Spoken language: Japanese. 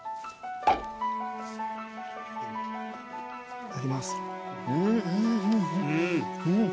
いただきます。